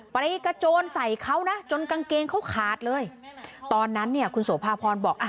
ไปกระโจนใส่เขานะจนกางเกงเขาขาดเลยตอนนั้นเนี่ยคุณโสภาพรบอกอ่ะ